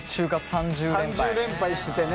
３０連敗しててね。